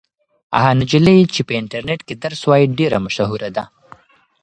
هغه نجلۍ چې په انټرنيټ کې درس وایي ډېره مشهوره ده.